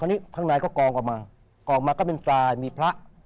อันนี้ข้างในก็กองออกมากองมาก็เป็นทรายมีพระ